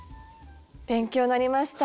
勉強になりました。